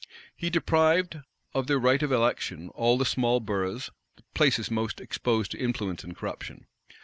He deprived of their right of election all the small boroughs, places the most exposed to influence and corruption.